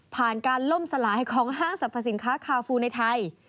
ผ่านการล่มสลายของห้างสรรพสินค้าคาฟูในไทย